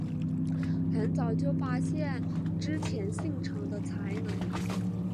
很早就发现织田信长的才能。